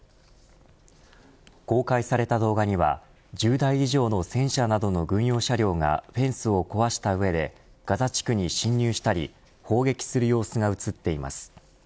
公開された動画には１０台以上の戦車などの軍用車両がフェンスを壊した上でガザ地区に侵入したり砲撃する様子が映っています。